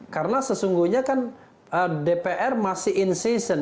karena sesungguhnya kan dpr masih in season